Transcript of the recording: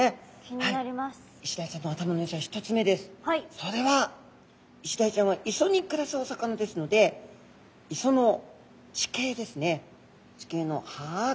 それはイシダイちゃんは磯に暮らすお魚ですので磯の地形ですね